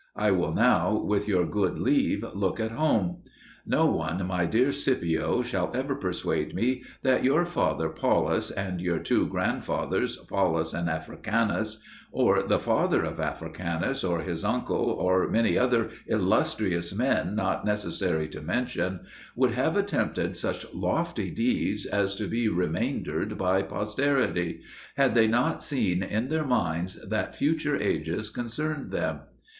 I will now, with your good leave, look at home. No one, my dear Scipio, shall ever persuade me that your father Paulus and your two grandfathers Paulus and Africanus, or the father of Africanus, or his uncle, or many other illustrious men not necessary to mention, would have attempted such lofty deeds as to be remaindered by posterity, had they not seen in their minds that future ages concerned them.